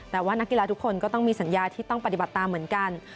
แต่ว่านักกีฬาทุกคนก็ต้องมีสัญญาที่ต้องปฏิบัติตามเหมือนกัน